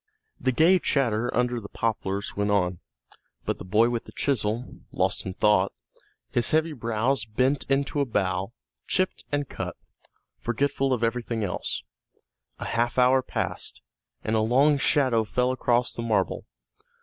The gay chatter under the poplars went on, but the boy with the chisel, lost in thought, his heavy brows bent into a bow, chipped and cut, forgetful of everything else. A half hour passed, and a long shadow fell across the marble.